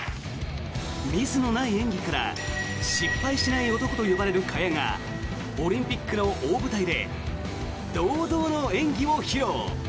ミスのない演技から失敗しない男と呼ばれる萱がオリンピックの大舞台で堂々の演技を披露。